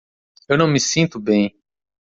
Eu não me sinto bem.